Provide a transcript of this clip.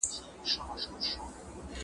زه اوږده وخت مکتب ته ځم!؟